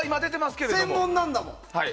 専門なんだもん。